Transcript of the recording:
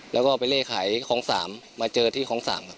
แล้วก็ไปเลขขายของ๓มาเจอที่คลอง๓ครับ